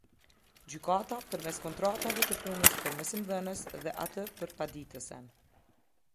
Gjykata përmes kontratave të punës për mësimdhënës dhe atë për paditësen.